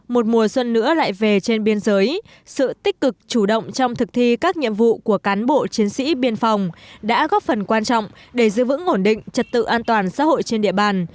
một mùa xuân nữa lại về trên biên giới sự tích cực chủ động trong thực thi các nhiệm vụ của cán bộ chiến sĩ biên phòng đã góp phần quan trọng để giữ vững ổn định trật tự an toàn xã hội trên địa bàn